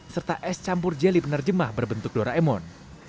serta es campur jeli penerjemah berbentuk doraemon